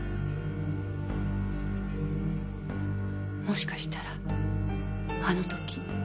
もしかしたらあの時。